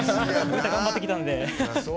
歌、頑張ってきたので。